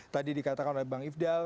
tadi dikatakan oleh bang ifdal